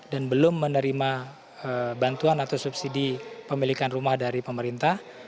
dan belum menerima bantuan atau subsidi pemilikan rumah dari pemerintah